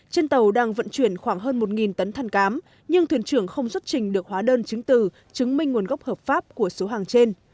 trên tàu đang vận chuyển khoảng hơn một tấn than cám nhưng thuyền trưởng không xuất trình được hóa đơn chứng từ chứng minh nguồn gốc hợp pháp của số hàng trên